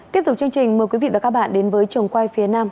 tiếp tục chương trình mời quý vị và các bạn đến với trường quay phía nam